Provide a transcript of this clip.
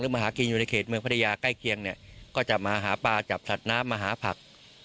มาหากินอยู่ในเขตเมืองพัทยาใกล้เคียงเนี่ยก็จะมาหาปลาจับสัตว์น้ำมาหาผัก